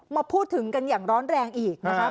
มาพูดถึงกันอย่างร้อนแรงอีกนะครับ